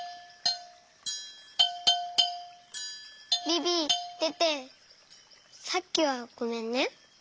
ビビテテさっきはごめんね。